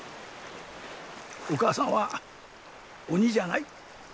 お母さんは鬼じゃない。